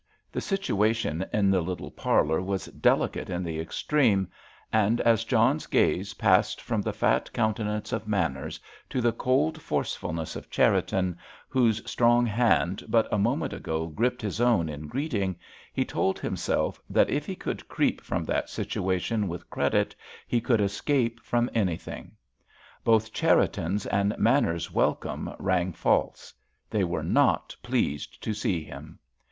The situation in the little parlour was delicate in the extreme, and as John's gaze passed from the fat countenance of Manners to the cold forcefulness of Cherriton, whose strong hand but a moment ago gripped his own in greeting, he told himself that if he could creep from that situation with credit he could escape from anything. Both Cherriton's and Manners's welcome rang false. They were not pleased to see him.